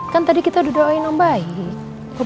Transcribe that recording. kan tadi kita udah doain om baik